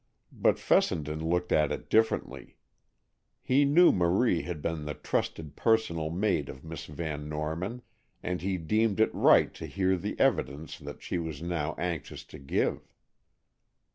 But Fessenden looked at it differently. He knew Marie had been the trusted personal maid of Miss Van Norman, and he deemed it right to hear the evidence that she was now anxious to give.